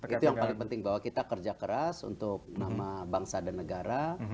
itu yang paling penting bahwa kita kerja keras untuk nama bangsa dan negara